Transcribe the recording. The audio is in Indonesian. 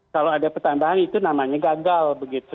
kalau ada pertambahan itu namanya gagal begitu